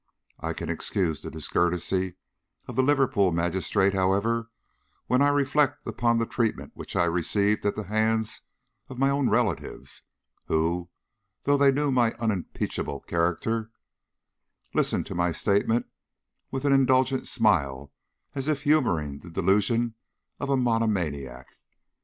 I can excuse the discourtesy of the Liverpool magistrate, however, when I reflect upon the treatment which I received at the hands of my own relatives, who, though they knew my unimpeachable character, listened to my statement with an indulgent smile as if humouring the delusion of a monomaniac.